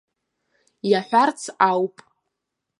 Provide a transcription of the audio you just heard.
Иаҳәарц ауп.